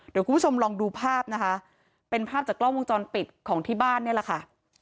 เดี๋ยวคุณผู้ชมลองดูภาพนะคะเป็นภาพจากกล้องวงจรปิดของที่บ้านนี่แหละค่ะ